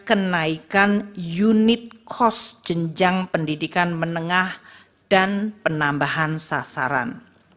kenaikan unit cost jenjang pendidikan menengah dan penambahan sasaran